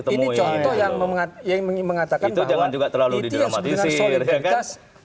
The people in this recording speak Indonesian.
ini contoh yang mengatakan bahwa itu yang sebenarnya solidaritas